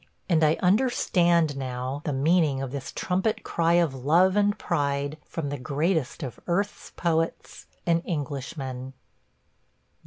– and I understand now the meaning of this trumpet cry of love and pride from the greatest of earth's poets – an Englishman.